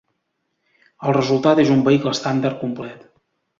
El resultat és un vehicle estàndard complet.